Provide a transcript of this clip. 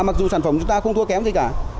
mặc dù sản phẩm chúng ta không thua kém gì cả